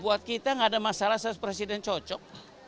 buat kita nggak ada masalah seharusnya presiden cocok